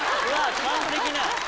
完璧な。